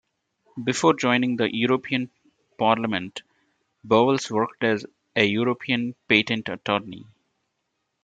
Before joining the European Parliament Bowles worked as a European patent attorney.